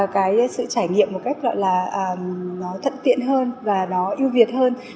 cái sự trải nghiệm một cách gọi là nó thận tiện hơn và nó ưu việt hơn